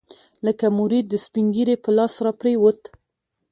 لکه مريد د سپينږيري په لاس راپرېوت.